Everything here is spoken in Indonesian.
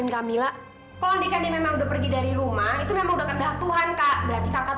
sampai jumpa di video selanjutnya